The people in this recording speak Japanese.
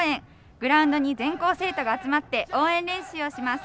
グラウンドに全校生徒が集まって応援練習をします。